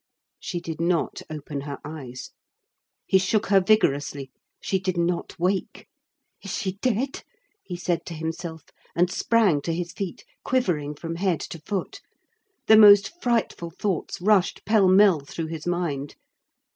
She did not open her eyes. He shook her vigorously. She did not wake. "Is she dead?" he said to himself, and sprang to his feet, quivering from head to foot. The most frightful thoughts rushed pell mell through his mind.